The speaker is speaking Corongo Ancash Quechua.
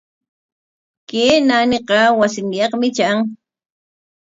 Kay naaniqa wasinyaqmi tran.